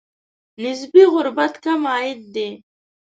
نسبي غربت کم عاید دی.